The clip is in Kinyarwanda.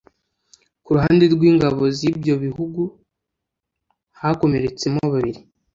ku ruhande rw’ingabo z’ibyo bihugu hakomeretsemo babiri